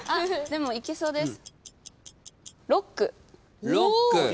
でもいけそうです。